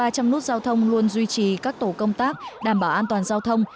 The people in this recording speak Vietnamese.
các quận giao thông luôn duy trì các tổ công tác đảm bảo an toàn giao thông